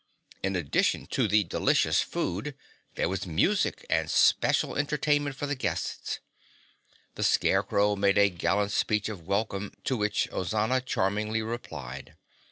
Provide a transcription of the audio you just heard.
In addition to the delicious food, there was music and special entertainment for the guests. The Scarecrow made a gallant speech of welcome to which Ozana charmingly replied.